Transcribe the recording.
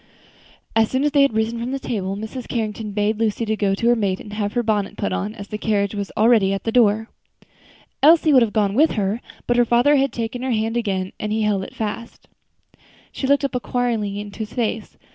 As soon as they had risen from the table, Mrs. Carrington bade Lucy go up to her maid to have her bonnet put on, as the carriage was already at the door. Elsie would have gone with her, but her father had taken her hand again, and he held it fast. She looked up inquiringly into his face.